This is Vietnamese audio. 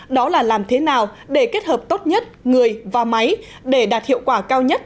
đó là làm thế nào để kết hợp tốt nhất người và máy để đạt hiệu quả cao nhất